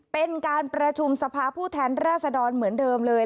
เป็นการประชุมสภาผู้แทนราษดรเหมือนเดิมเลย